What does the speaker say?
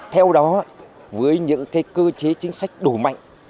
theo đó với những cái cơ chế chính sách đổ mạnh